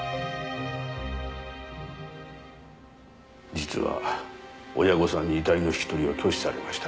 実は親御さんに遺体の引き取りを拒否されました。